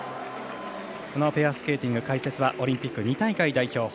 このペアスケーティング解説はオリンピック２大会代表